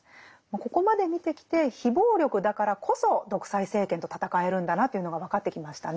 ここまで見てきて非暴力だからこそ独裁政権と闘えるんだなというのが分かってきましたね。